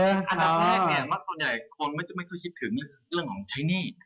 อันดับแรกเนี่ยมักส่วนใหญ่คนมักจะไม่ค่อยคิดถึงเรื่องของใช้หนี้